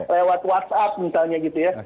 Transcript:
lewat whatsapp misalnya gitu ya